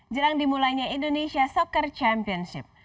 jelang dimulainya indonesia soccer championship